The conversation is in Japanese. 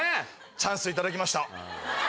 チャンスを頂きました。